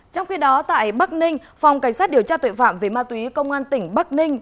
trong khi đó tại bắc ninh phòng cảnh sát điều tra tội phạm về ma túy công an tỉnh bắc ninh